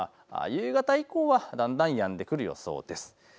夕方以降はだんだんやんでくる予想です。